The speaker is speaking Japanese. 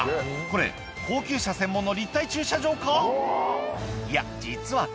これ高級車専門の立体駐車場か？